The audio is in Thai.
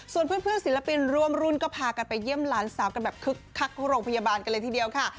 ส่วนเพื่อนศิลปินร่วมรุ่นก็พากันไปเยี่ยมหลานสาวกันแบบคึกคักโรงพยาบาลกันเลยทีเดียวค่ะ